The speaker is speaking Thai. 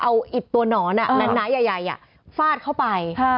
เอาอิดตัวหนอนหนาใหญ่ฟาดเข้าไป